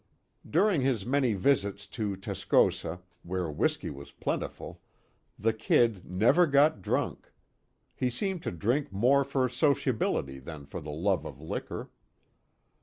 During his many visits to Tascosa, where whiskey was plentiful, the "Kid" never got drunk. He seemed to drink more for sociability than for the "love of liquor."